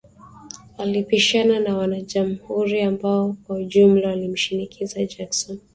Walipishana na wanajamuhuri ambao kwa ujumla walimshinikiza Jackson